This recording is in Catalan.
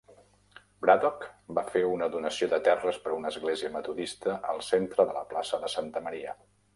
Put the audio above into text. Braddock va fer una donació de terres per a una església metodista al centre de la plaça de Santa Maria.